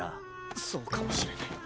そうかもしれない。